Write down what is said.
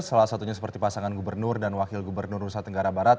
salah satunya seperti pasangan gubernur dan wakil gubernur nusa tenggara barat